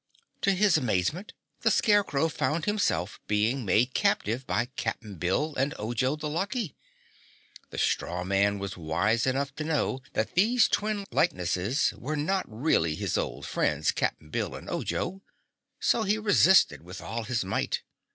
To his amazement, the Scarecrow found himself being made captive by Cap'n Bill and Ojo the Lucky. The straw man was wise enough to know that these twin likenesses were not really his old friends, Cap'n Bill and Ojo, so he resisted with all his might.